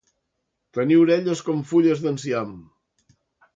Tenir orelles com fulles d'enciam.